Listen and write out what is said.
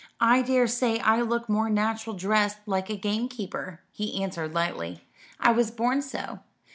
"I daresay I look more natural dressed like a gamekeeper," he answered lightly; "I was born so.